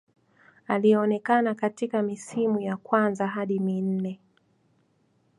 Alionekana katika misimu ya kwanza hadi minne.